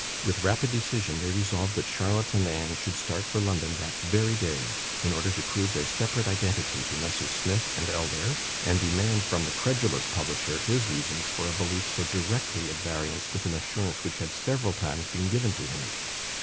With rapid decision, they resolved that Charlotte and Anne should start, for London, that very day, in order to prove their separate identity to Messrs. Smith and Elder, and demand from the credulous publisher his reasons for a "belief" so directly at variance with an assurance which had several times been given to him.